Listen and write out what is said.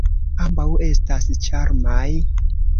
Ambaŭ estas ĉarmaj.